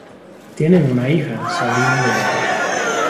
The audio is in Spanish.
Tienen una hija, Sabrina Delata.